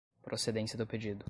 procedência do pedido